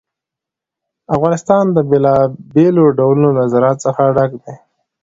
افغانستان د بېلابېلو ډولونو له زراعت څخه ډک دی.